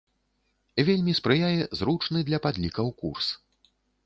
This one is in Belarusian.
Вельмі спрыяе зручны для падлікаў курс.